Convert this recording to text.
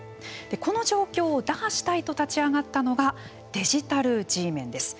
この状況を打破したいと立ち上がったのがデジタルＧメンです。